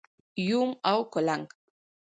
🪏 یوم او کولنګ⛏️